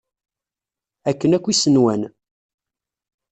Akken akk i s-nwan.